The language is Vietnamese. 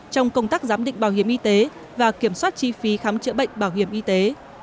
trong công tác giám định bảo hiểm y tế và kiểm soát chi phí khám chữa bệnh bảo hiểm y tế